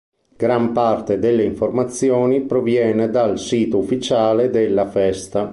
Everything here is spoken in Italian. Gran parte delle informazioni proviene dal sito ufficiale della festa.